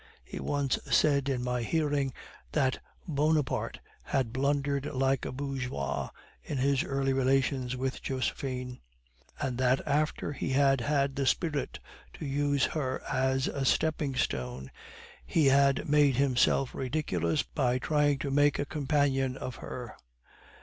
He once said in my hearing that Bonaparte had blundered like a bourgeois in his early relations with Josephine; and that after he had had the spirit to use her as a stepping stone, he had made himself ridiculous by trying to make a companion of her."